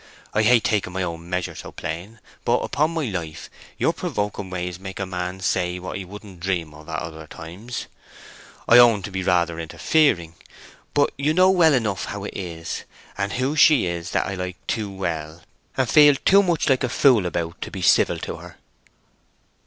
I hate taking my own measure so plain, but, upon my life, your provoking ways make a man say what he wouldn't dream of at other times! I own to being rather interfering. But you know well enough how it is, and who she is that I like too well, and feel too much like a fool about to be civil to her!"